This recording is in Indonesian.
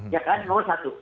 ya kan nomor satu